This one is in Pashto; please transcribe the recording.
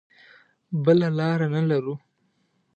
بله لاره نه لرو.